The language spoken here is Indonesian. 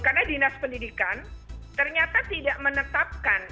karena dinas pendidikan ternyata tidak menetapkan